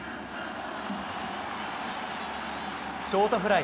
ショートフライ。